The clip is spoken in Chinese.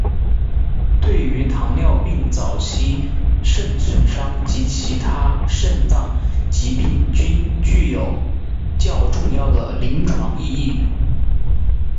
对于糖尿病早期肾损伤及其他肾脏疾病均具有较重要的临床意义。